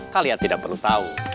kalian tidak perlu tahu